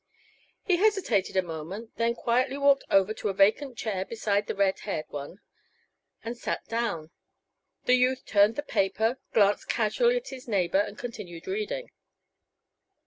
He hesitated a moment, then quietly walked over to a vacant chair beside the red haired one and sat down. The youth turned the paper, glanced casually at his neighbor, and continued reading.